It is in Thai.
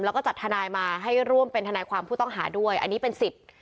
แล้วก็จัดทนายมาให้ร่วมเป็นทนายความผู้ต้องหาด้วยอันนี้เป็นสิทธิ์